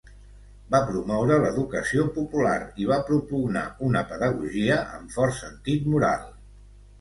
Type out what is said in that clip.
Va promoure l'educació popular i va propugnar una pedagogia amb fort sentit moral.